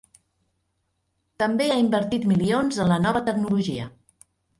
També ha invertit milions en la nova tecnologia.